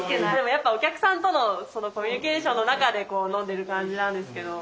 やっぱお客さんとのコミュニケーションの中で飲んでる感じなんですけど。